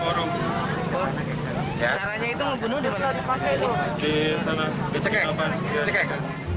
orang caranya itu membunuh di mana di sana kecekek kecekek